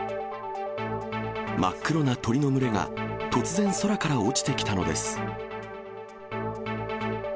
真っ黒な鳥の群れが突然、空から落ちてきたのです。